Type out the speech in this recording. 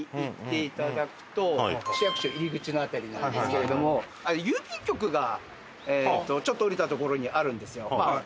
市役所入口の辺りなんですけれども郵便局がちょっと下りた所にあるんですよ。